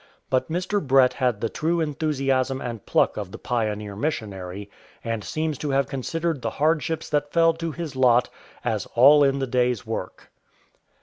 But Mr. Brett had the true enthusiasm and pluck of the pioneer missionary, and seems to have considered the hard ships that fell to his lot as all " in the day's work.'"